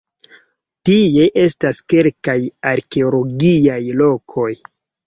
Tie estas kelkaj arkeologiaj lokoj.